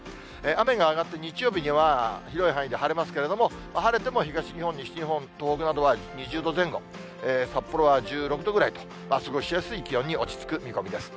雨が上がって日曜日には広い範囲で晴れますけれども、晴れても東日本、西日本、東北などは２０度前後、札幌は１６度ぐらいと、過ごしやすい気温に落ち着く見込みです。